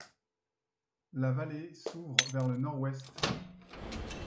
La vallée s'ouvre vers le nord-ouest.